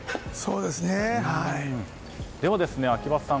では、秋葉さん